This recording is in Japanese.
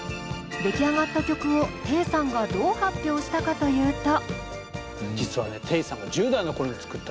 出来上がった曲をテイさんがどう発表したかというと。